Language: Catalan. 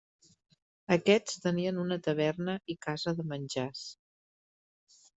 Aquests tenien una taverna i casa de menjars.